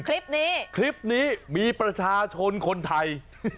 คลิปนี้คลิปนี้มีประชาชนคนไทย